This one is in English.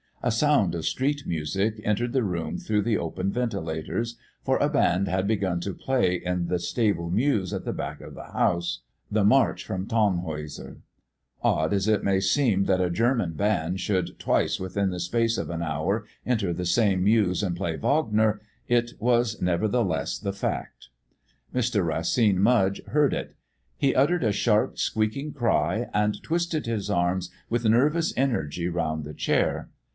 A sound of street music entered the room through the open ventilators, for a band had begun to play in the stable mews at the back of the house the March from Tannhäuser. Odd as it may seem that a German band should twice within the space of an hour enter the same mews and play Wagner, it was nevertheless the fact. Mr. Racine Mudge heard it. He uttered a sharp, squeaking cry and twisted his arms with nervous energy round the chair.